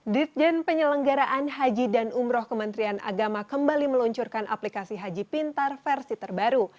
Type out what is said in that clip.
ditjen penyelenggaraan haji dan umroh kementerian agama kembali meluncurkan aplikasi haji pintar versi terbaru